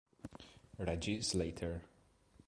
Reggie Slater